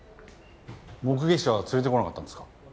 目撃者は連れてこなかったんですか？